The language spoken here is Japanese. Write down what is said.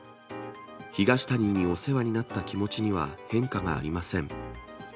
東谷にお世話になった気持ちには変化がありません。